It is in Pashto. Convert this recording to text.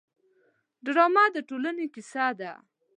ډرامه د ټولنې کیسه ده